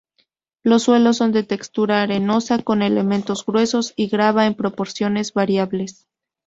Los suelos son de textura arenosa, con elementos gruesos y grava en proporciones variables.